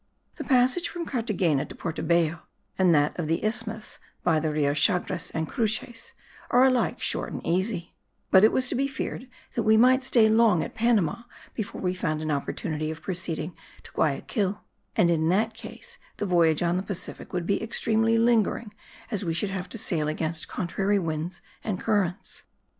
The passage from Carthagena to Porto Bello and that of the isthmus by the Rio Chagres and Cruces, are alike short and easy; but it was to be feared that we might stay long at Panama before we found an opportunity of proceeding to Guayaquil, and in that case the voyage on the Pacific would be extremely lingering, as we should have to sail against contrary winds and currents.